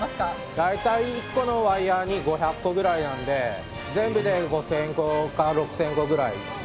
大体１個のワイヤーに５００個ぐらいなんで全部で５０００個か６０００個ぐらい。